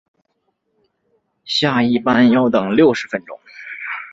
下一班要等六十分钟